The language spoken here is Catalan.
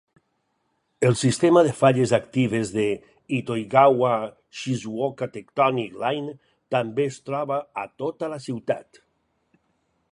El sistema de falles actives de Itoigawa-Shizuoka Tectonic Line també es troba a tota la ciutat.